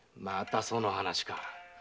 またその話か。